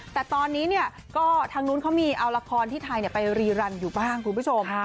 แต่ตอนนี้เนี่ยก็ทางนู้นเขามีเอาละครที่ไทยไปรีรันอยู่บ้างคุณผู้ชม